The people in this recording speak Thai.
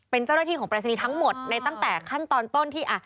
เป็นเจ้าหน้าที่ของปรายศนีย์ทั้งหมดในตั้งแต่ขั้นตอนต้นที่